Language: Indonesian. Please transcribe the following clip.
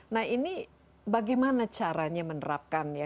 nah ini bagaimana caranya menerapkan ya